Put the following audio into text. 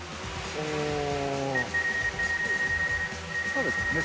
そうですね。